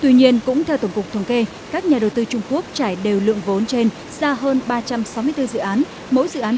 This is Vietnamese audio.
tuy nhiên cũng theo tổng cục thống kê các nhà đầu tư trung quốc trải đều lượng vốn trên ra hơn ba trăm sáu mươi bốn dự án mỗi dự án trung bình trên dưới năm triệu usd